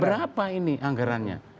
berapa ini anggarannya